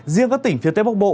riêng các tỉnh phía tết bắc bộ